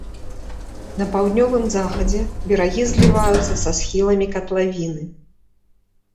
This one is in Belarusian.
На паўднёвым захадзе берагі зліваюцца са схіламі катлавіны.